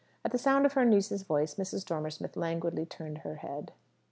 At the sound of her niece's voice Mrs. Dormer Smith languidly turned her head.